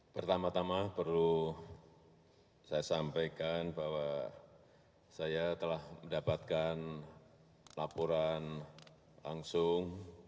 pertama tama perlu saya sampaikan bahwa saya telah mendapatkan laporan langsung